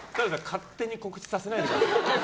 勝手に告知させないでください。